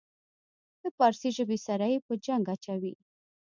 د پارسي ژبې سره یې په جنګ اچوي.